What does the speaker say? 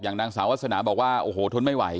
นางสาววาสนาบอกว่าโอ้โหทนไม่ไหว